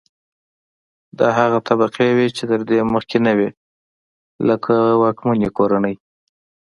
دا هغه طبقې وې چې تر دې مخکې نه وې لکه واکمنې کورنۍ.